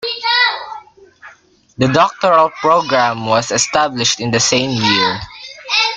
The doctoral programme was established in the same year.